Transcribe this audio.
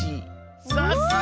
さすが！